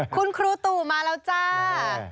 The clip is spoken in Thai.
คุณครูตู่มาแล้วจ้า